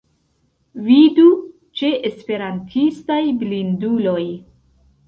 Vidu ĉe Esperantistaj blinduloj.